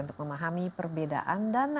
untuk memahami perbedaan dan